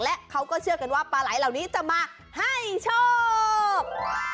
และเขาก็เชื่อกันว่าปลาไหลเหล่านี้จะมาให้โชค